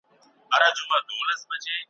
ناشکري نه کوم خو مرګ دی ولا